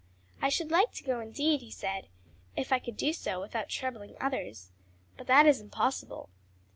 "I should like to go indeed," he said, "if I could do so without troubling others; but that is impossible."